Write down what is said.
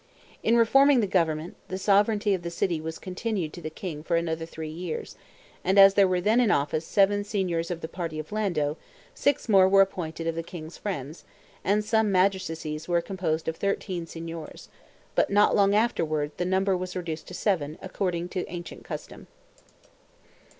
In reforming the government, the sovereignty of the city was continued to the king for another three years, and as there were then in office seven Signors of the party of Lando, six more were appointed of the king's friends, and some magistracies were composed of thirteen Signors; but not long afterward the number was reduced to seven according to ancient custom.